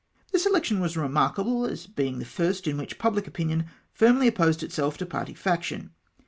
This election was remarkable as being the first in which pubhc opinion firmly opposed itself to party faction.